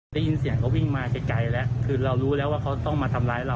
ได้ยินเสียงก็วิ่งมาไกลแล้วคือเรารู้แล้วว่าเขาต้องมาทำร้ายเรา